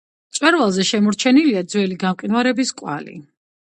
მწვერვალზე შემორჩენილია ძველი გამყინვარების კვალი.